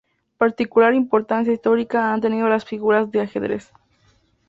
Particular importancia histórica han tenido las figuras del ajedrez.